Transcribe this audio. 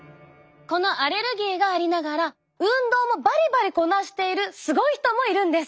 このアレルギーがありながら運動もバリバリこなしているすごい人もいるんです。